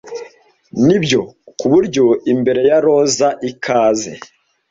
nibyo ku buryo imbere ya roza ikaze